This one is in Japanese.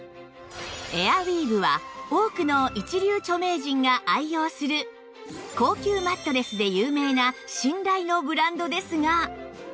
エアウィーヴは多くの一流著名人が愛用する高級マットレスで有名な信頼のブランドですが